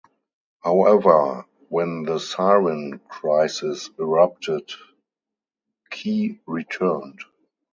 However, when the "Siren" crisis erupted, Kei returned.